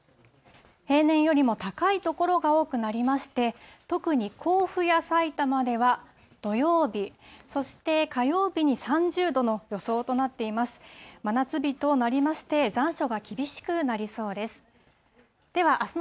平年よりも高い所が多くなりまして、特に甲府やさいたまでは、土曜日、そして火曜日に３０度の予想となっています。